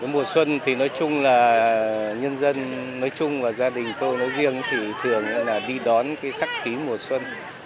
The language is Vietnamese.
mùa xuân thì nói chung là nhân dân nói chung là gia đình tôi nói riêng thì thường đi đón sắc khí mùa xuân